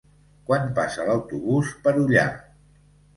Quan passa l'autobús per Ullà?